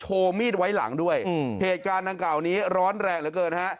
มีดไว้หลังด้วยเหตุการณ์ดังกล่าวนี้ร้อนแรงเหลือเกินฮะ